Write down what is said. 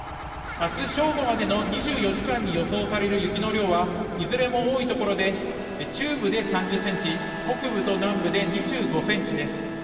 あす正午までの２４時間に予想される雪の量は、いずれも多い所で、中部で３０センチ、北部と南部で２５センチです。